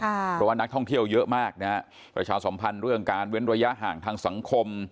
เพราะว่านักท่องเที่ยวเยอะมากนะฮะประชาสัมพันธ์เรื่องการเว้นระยะห่างทางสังคม